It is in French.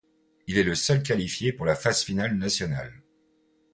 Il est le seul qualifié pour la phase finale nationale.